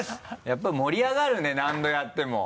やっぱり盛り上がるね何度やっても。